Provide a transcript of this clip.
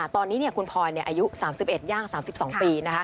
ตอนนี้คุณพลอยอายุ๓๑ย่าง๓๒ปี